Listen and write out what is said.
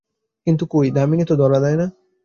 কিন্তু কই, দামিনী তো ধরা দেয় না!